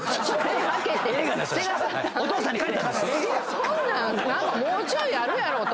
そんなんもうちょいあるやろと。